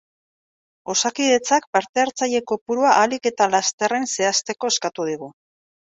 Osakidetzak parte-hartzaile kopurua ahalik eta lasterren zehazteko eskatu digu.